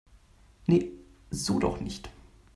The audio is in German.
Nee, so doch nicht!